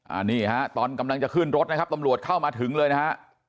อันนี้ฮะตอนกำลังจะขึ้นรถนะครับตำรวจเข้ามาถึงเลยนะฮะ